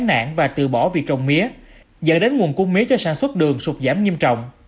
nạn và từ bỏ việc trồng mía dẫn đến nguồn cung mía cho sản xuất đường sụt giảm nghiêm trọng